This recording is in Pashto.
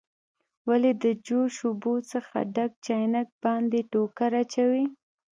ولې د جوش اوبو څخه ډک چاینک باندې ټوکر اچوئ؟